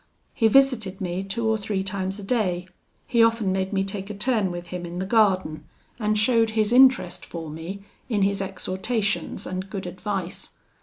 He visited me two or three times a day; he often made me take a turn with him in the garden, and showed his interest for me in his exhortations and good advice.